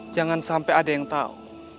jangan sampai ada yang tahu